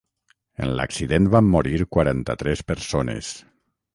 En l’accident van morir quaranta-tres persones.